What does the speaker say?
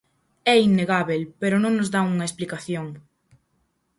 É innegábel pero non nos dan unha explicación.